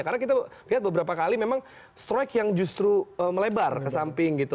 karena kita lihat beberapa kali memang strike yang justru melebar ke samping gitu